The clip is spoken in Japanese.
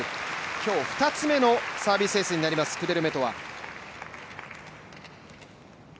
今日２つ目のサービスエースになります、クデルメトワ。